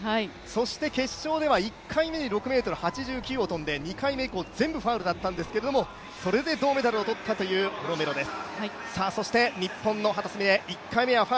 そして決勝では１回目に６ｍ８９を跳んで２回目以降、全部ファウルだったんですけどそれで銅メダルをとったというオロメロです。